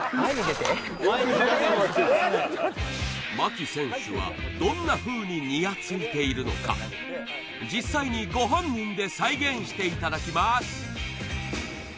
そりゃそうやね牧選手はどんなふうにニヤついているのか実際にご本人で再現していただきます